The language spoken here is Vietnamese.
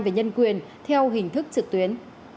về nhân quyền theo hình thức trực tuyến